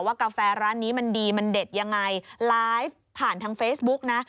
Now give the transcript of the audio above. กาแฟร้านนี้มันดีมันเด็ดยังไงไลฟ์ผ่านทางเฟซบุ๊กนะ